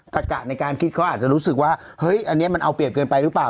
ตะกะในการคิดเขาอาจจะรู้สึกว่าเฮ้ยอันนี้มันเอาเปรียบเกินไปหรือเปล่า